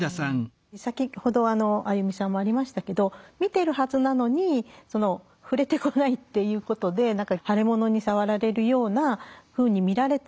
先ほどアユミさんもありましたけど見てるはずなのに触れてこないっていうことで何か腫れ物に触られるようなふうに見られてる。